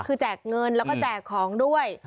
คือแจกเงินแล้วก็แจกของด้วย